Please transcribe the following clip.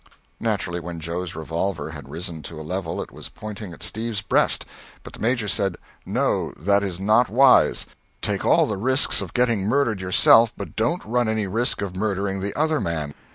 Naturally, when Joe's revolver had risen to a level it was pointing at Steve's breast, but the Major said "No, that is not wise. Take all the risks of getting murdered yourself, but don't run any risk of murdering the other man.